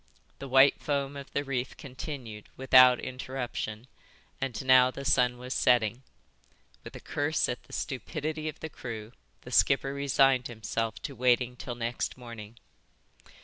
The white foam of the reef continued without interruption and now the sun was setting. With a curse at the stupidity of the crew the skipper resigned himself to waiting till next morning.